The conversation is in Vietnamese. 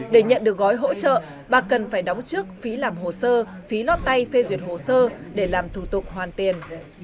để nhận được gói hỗ trợ bà cần phải đóng trước phí làm hồ sơ phí lót tay phê duyệt hồ sơ để làm thủ tục hoàn tiền